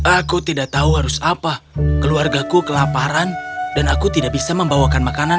aku tidak tahu harus apa keluargaku kelaparan dan aku tidak bisa membawakan makanan